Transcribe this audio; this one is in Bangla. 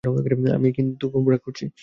আমি কিন্তু খুব রাগ করছি।